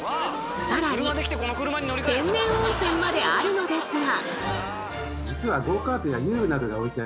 さらに天然温泉まであるのですが。